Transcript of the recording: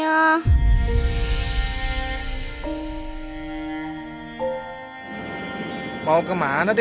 ala gemar istri aku nambahin suaranya